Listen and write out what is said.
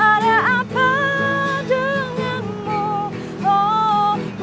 ada apa denganmu